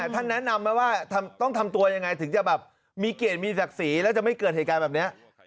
ท่านแนะนำไหมว่าต้องทำตัวยังไงถึงจะแบบมีเกียรติมีศักดิ์ศรีแล้วจะไม่เกิดเหตุการณ์แบบนี้